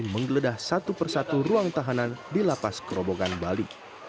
menggeledah satu persatu ruang tahanan di lapas kerobogan bali